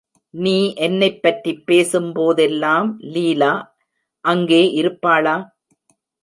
நீ என்னைப் பற்றிப் பேசும் போதெல்லாம் லீலா அங்கே இருப்பாளா?